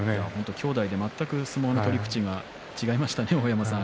兄弟で全く相撲の取り口が違いましたね、大山さん